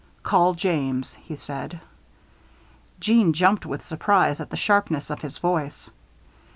"Call James!" he said. Jeanne jumped with surprise at the sharpness of his voice.